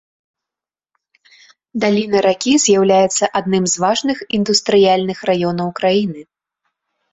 Даліна ракі з'яўляецца адным з важных індустрыяльных раёнаў краіны.